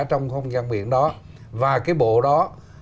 trong không gian biển đó và cái bộ đó